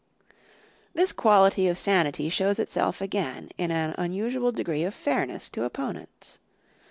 This quality of sanity shows itself again in an unusual degree of fairness to opponents.